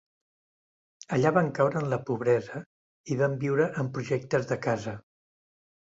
Allà van caure en la pobresa i van viure en projectes de casa.